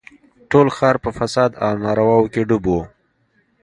ټول ښار په فساد او نارواوو کښې ډوب و.